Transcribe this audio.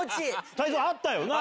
泰造あったよな？